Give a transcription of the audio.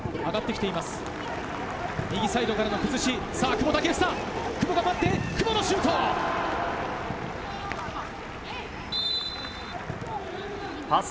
久保のシュート。